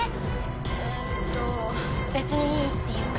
えーっと別にいいっていうか。